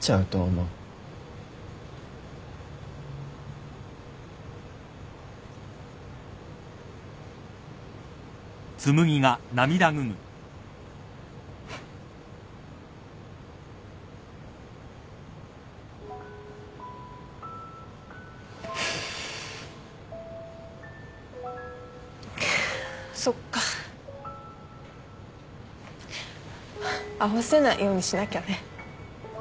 会わせないようにしなきゃね。